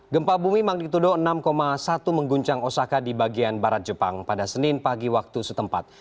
gempa bumi magnitudo enam satu mengguncang osaka di bagian barat jepang pada senin pagi waktu setempat